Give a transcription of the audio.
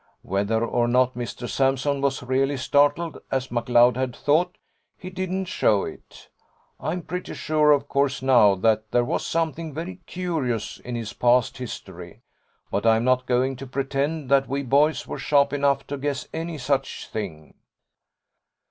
Whether or not Mr Sampson was really startled, as McLeod had thought, he didn't show it. I am pretty sure, of course, now, that there was something very curious in his past history, but I'm not going to pretend that we boys were sharp enough to guess any such thing.